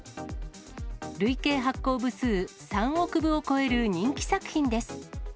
累計発行部数３億部を超える人気作品です。